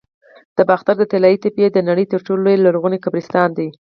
د باختر د طلایی تپې د نړۍ تر ټولو لوی لرغوني قبرستان دی